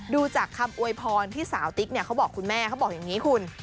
ดูจากคำอวยพรที่สาวติ๊กเขาบอกคุณแม่อย่างนี้คุณ